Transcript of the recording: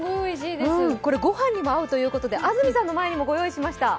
これご飯にも合うということで安住さんの前にもご用意しました。